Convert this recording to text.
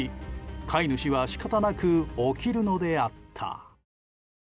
飼い主は仕方なく起きるのであった。